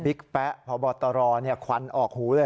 ปิ๊กแป๊ะพอบอตรอเนี่ยควันออกหูเลย